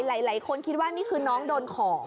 หลายคนคิดว่านี่คือน้องโดนของ